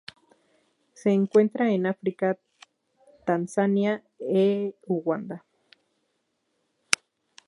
Se encuentran en África: Tanzania e Uganda.